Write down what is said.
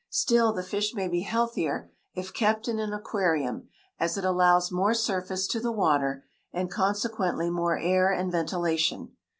Still, the fish may be healthier if kept in an aquarium, as it allows more surface to the water, and consequently more air and ventilation.